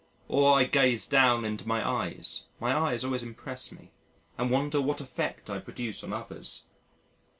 Or I gaze down into my eyes my eyes always impress me and wonder what effect I produce on others.